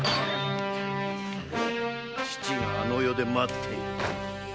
父があの世で待っている。